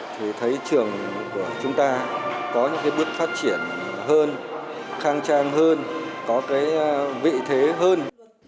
thì thấy trường của chúng ta có những bước phát triển hơn khang trang hơn có vị thế hơn